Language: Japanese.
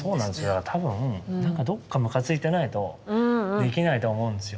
だから多分なんかどっかむかついてないとできないと思うんですよ。